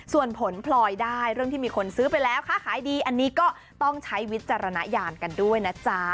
ส่วนผลพลอยได้เรื่องที่มีคนซื้อไปแล้วค้าขายดีอันนี้ก็ต้องใช้วิจารณญาณกันด้วยนะจ๊ะ